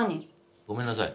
ごめんなさい。